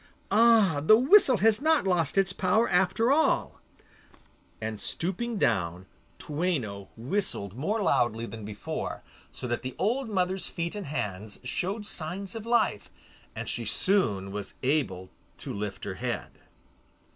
Ah! the whistle has not lost its power after all,' and stooping down, Toueno whistled more loudly than before, so that the old woman's feet and hands showed signs of life, and she soon was able to life her head.